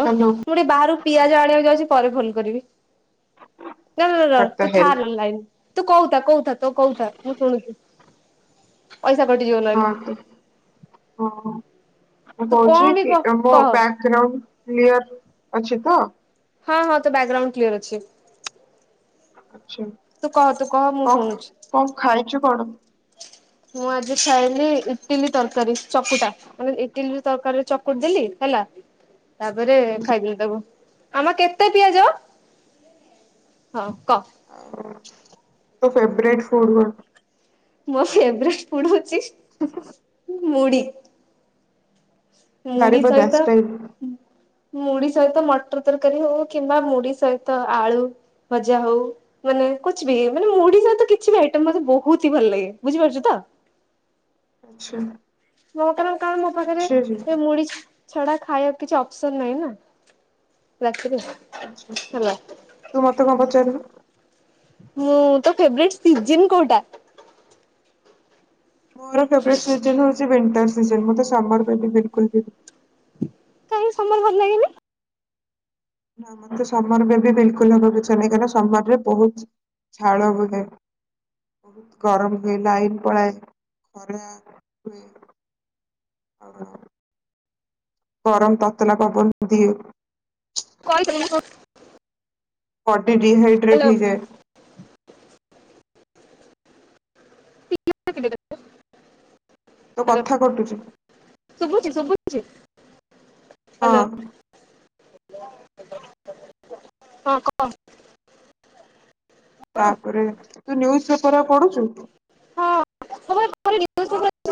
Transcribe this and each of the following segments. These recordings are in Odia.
ହ ହ୍ୟାଲୋ। ମୁଁ ଟିକେ ବାହାରୁ ପିଆଜ ଆଣିବାକୁ ଯାଉଚି ପରେ ଫୋନ୍ କରିବି। ର ର ର ର ହ୍ୱାଟ ଦ ତୁ ଥା ହେଲ୍। ଲାଇନ୍ ତୁ କହୁଥା କହୁଥା ତୋ କହୁଥା ମୁଁ ଶୁଣୁଚି। ପଇସା କଟି ଯିବ ହଁ ନହେଲେ। ତ ହଁ ମୁଁ ତୁ କଣ କହୁଛି ବି କି କହ ର ମୋ କହ। ବ୍ୟାଗ ଗ୍ରାଉଣ୍ଡ କ୍ଲିୟର ଅଛି ତ। ହଁ ହଁ ତ ବାଗ୍ରାଉଣ୍ଡ କ୍ଲିୟର ଅଛି। ଆଚ୍ଛା। ତୁ କହ ତୁ କହ ମୁଁ ଶୁଣୁଛି। କଣ ଖାଇଚୁ କଣ? ମୁଁ ଆଜି ଖାଇଲି ଇଟିଲି ତରକାରି ଚକୁଟା। ମାନେ ଇଟିଲିରେ ତରକାରିରେ ଚକଟି ଦେଲି ହେଲା। ତାପରେ ଖାଇଦେଲି ତାକୁ। ମାମା କେତେ ପିଆଜ? ହଁ କହ। ତୋ ଫେବ୍ରେଟ୍ ଫୁଡ କଣ? ମୋ ଫେବ୍ରେଟ୍ ଫୁଡ ହୋଉଚି ମୁଡି। ମୁଢି ବାରିପଦା ସହିତ ଷ୍ଟାଇଲ। ମୁଢି ସହିତ ମଟର ତରକାରୀ ହୋଉ କିମ୍ବା ମୁଢି ସହିତ ଆଳୁ ଭଜା ହୋଉ। ମାନେ କୁଛବି ମାନେ ମୁଢି ସହିତ କିଛି ବି ଆଇଟମ୍ ମତେ ବହୁତି ହି ଭଲ ଲାଗେ। ବୁଝିପାରୁଚୁ ତ? ଆଚ୍ଛା। ମୋ କାରଣ କଣ ମୋ ପାଖରେ ଆଚ୍ଛା ଜୀ ଏ ମୁଢି ଛ ଛଡା ଖାଇବାକୁ କିଛି ଅପସନ୍ ନାହିଁ ନା ରାତିରେ। ଆଚ୍ଛା ହେଲା ତୁ ମତେ କଣ ପଚାରୁନୁ। ମୁଁ ତୋ ଫେବ୍ରେଟ୍ ସିଜିନ୍ କୋଉଟା? ମୋର ଫେବ୍ରେଟ୍ ସିଜିନ୍ ହୋଉଚି ୱେଣ୍ଟର ସିଜିନ୍। ମୋତେ ସମର ବେବି ବିଲକୁଲ ବି କାଇଁ ସମର୍ ଭଲ ଲାଗେନି? ନା ମତେ ସମର ବେବି ବିଲକୁଲ ହବ କୁ ଇଛା ନାହିଁ। କାହିଁକି ନା ସମର ରେ ବହୁତ୍ ଝାଳ ବୁହେ। ଗରମ୍ ହୁଏ ଲାଇନ୍ ପଳାଏ ଖରା ହୁଏ ଗରମ୍ ତତଲା ପବନ ବ ଦିଏ। କଲ୍ କରୁନୁ। ବଡି ଡିହାଇଡ୍ରେଟ ହେଇଯାଏ। ତ [inaudible] କଥା କଟୁଛି ହାଲୋ ଶୁଭୁଚି ଶୁଭୁଚି। ହଁ। ହଁ କଅ। ହଁ। ତାପରେ ତୁ ନ୍ୟୁଜ ପେପର ଆଉ ପଢୁଚୁ? ହଁ ସବୁବେଳେ ପଢିବି।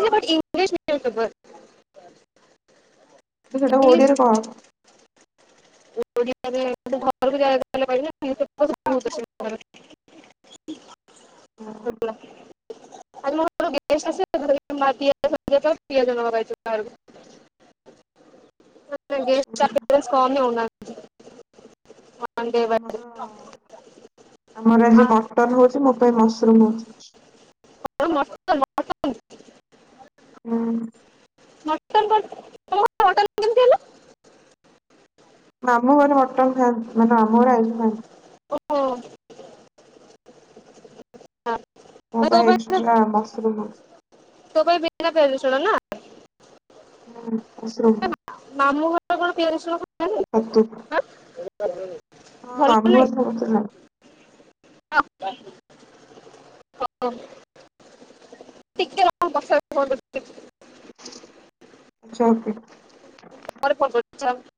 ଇଏ ବଡି ଇମ୍ପ୍ରୈ ସିଭ ହେବେ ସବୁବେଳେ। ତୁ ସେଟାକୁ ଓଡିଆରେ କହ। ଓଡିଆରେ ତୁକଲ୍ [unintelligible] ଆଉ ଗେର ଜା ଫେବ୍ଲା। ଆଜି ମୋର ପୁରା ବିଦେଶ ଅଛିଗେ [unintelligible] ଆ ମା ପିଆଜ ସରିଯାଇଥିଲା ପିଆଜ ନେବାକୁ ଆଇଚୁ ବାହାରକୁ। [inaudible] ଗପେ କାମେନା [inaudible] ଆମର ଆମର ଆ, ଆଜି ମଟନ ହୋଉଚି। ମୋ ପାଇଁ ମସୁ ରୁମ୍ ହୋଉଚି। [inaudible] ହୁଁ। ମଟନ୍ କନ? ମାମୁଁ ଘରେ ମଟନ ଖାଆନ୍ତି। ମାନେ ଆମ ଘରେ ଆାଇଁଷ ଖାଆନ୍ତି। ଓହୋ। ହ ମୋ ତୋ ପାଇଁ ଏକ୍ସଟ୍ରା ମସରୁମ ହଉଛି ତୋ ପାଇଁ ବିନା ପିଆଜ ରସୁଣ ନା। ହଁ ମସୁରୁମ୍। ମାମୁଁ ଘର କଣ ପିଆଜ ରସୁଣଖା [inaudible] [inaudible] ହଁ ମାମୁଁ ଘରେ ଭଲ ସମସ୍ତେ ଖାଆନ୍ତି ନାହିଁ [inaudible] ଟିକେ ରହ ମୁଁ ପଛରେ ଫୋନ [inaudible] [unintelligible] [inaudible]